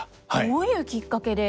どういうきっかけで？